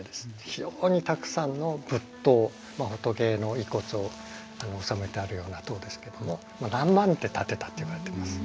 非常にたくさんの仏塔仏の遺骨を納めてあるような塔ですけども何万って建てたっていわれてます。